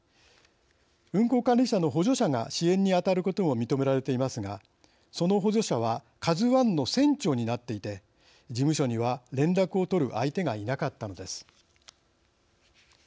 運航管理者の補助者が支援にあたることも認められていますがその補助者はＫＡＺＵＩの船長になっていて事務所には連絡を取る相手がいなかったのです。